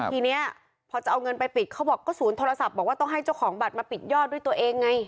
ทีนี้พอจะเอาเงินไปปิดเขาบอกก็ศูนย์โทรศัพท์บอกว่าต้องให้เจ้าของบัตรมาปิดยอดด้วยตัวเองไง